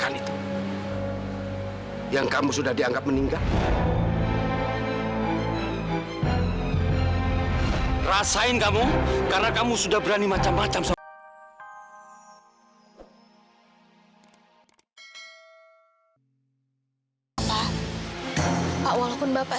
bapak mau bilang kalau sebenarnya bapak itu bukan bapaknya rizky